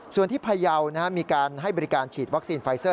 ส่วนที่พยาวมีการให้บริการฉีดวัคซีนไฟเซอร์